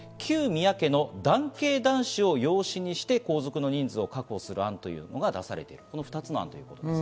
今後、旧宮家の男系男子を養子にして皇族の人数を確保する案というのが出されています。